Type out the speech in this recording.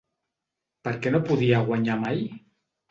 Per què no podia guanyar mai?